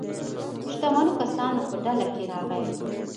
شتمنو کسانو په ډله کې راغی.